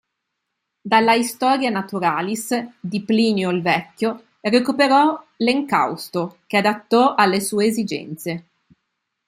Dalla "Historia naturalis" di Plinio il Vecchio recuperò l'encausto, che adattò alle sue esigenze.